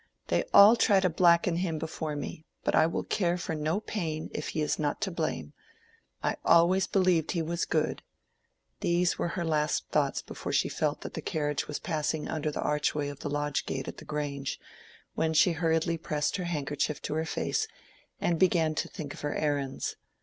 "They all try to blacken him before me; but I will care for no pain, if he is not to blame. I always believed he was good."—These were her last thoughts before she felt that the carriage was passing under the archway of the lodge gate at the Grange, when she hurriedly pressed her handkerchief to her face and began to think of her errands.